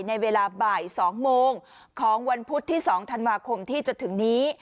ในเวลาบ่าย๒โมงของวันพุธที่๒ธันวาคมที่จะถึงนี้